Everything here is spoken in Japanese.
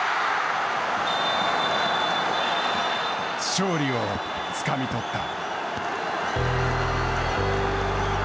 勝利をつかみとった。